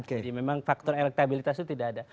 jadi memang faktor elektabilitas itu tidak ada